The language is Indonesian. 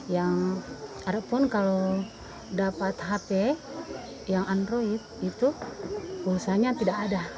yang ada pun kalau dapat hp yang android itu pulsanya tidak ada